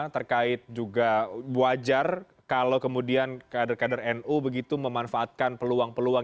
terkait juga wajar kalau kemudian kader kader nu begitu memanfaatkan peluang peluang